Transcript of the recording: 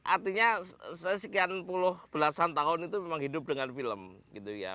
artinya saya sekian puluh belasan tahun itu memang hidup dengan film gitu ya